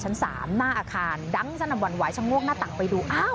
หน้าอาคารดังเส้นนำวันไหวชะมวกหน้าตังไปดู